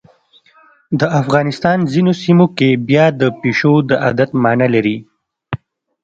د افغانستان ځینو سیمو کې بیا د پیشو د عادت مانا لري.